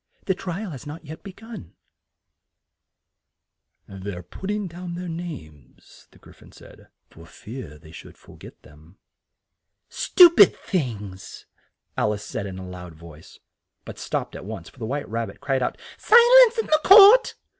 "The tri al has not be gun yet." "They're put ting down their names," the Gry phon said, "for fear they should for get them." "Stu pid things!" Al ice said in a loud voice, but stopped at once, for the White Rab bit cried out, "Si lence in court!"